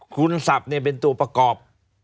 คุณสัปเนี่ยเป็นตัวประกอบ